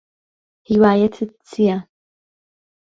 هیوایەتت چییە؟